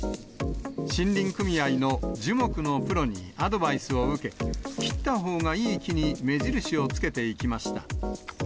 森林組合の樹木のプロにアドバイスを受け、切ったほうがいい木に目印を付けていきました。